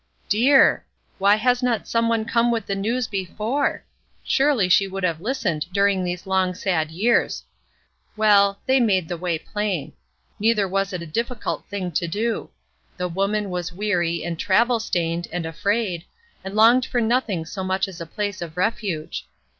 Dear! Why has not some one come with the news before? Surely she would have listened during these long, sad years. Well, they made the way plain. Neither was it a difficult thing to do. The woman was weary and travel stained and afraid, and longed for nothing so much as a place of refuge.